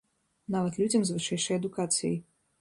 Нават людзям з вышэйшай адукацыяй.